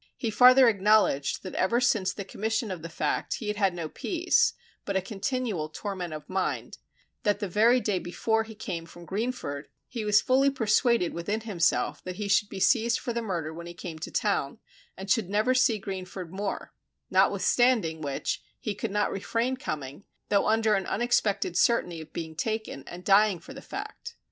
He farther acknowledged that ever since the commission of the fact he had had no peace, but a continual torment of mind; that the very day before he came from Greenford he was fully persuaded within himself that he should be seized for the murder when he came to town, and should never see Greenford more; notwithstanding which he could not refrain coming, though under an unexpected certainty of being taken, and dying for the fact.